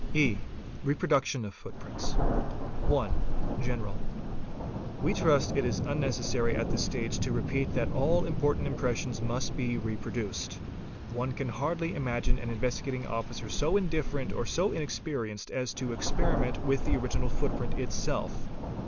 E. Reproduction of Footprints. 1. GENERAL. h We trust it is unnecessary at this stage to repeat that all important mpressions must be reproduced. One can hardly imagine an Investigat ing Officer so indifferent or so inexperienced as to experiment with the 540 | FOOTPRIN'TS — original footprint itself.